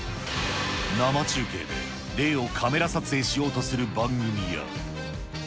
生中継で霊をカメラ撮影しようとする番組や。